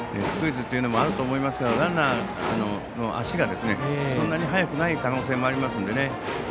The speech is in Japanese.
スクイズというのもあると思いますからランナーの足がそんなに速くない可能性もありますので。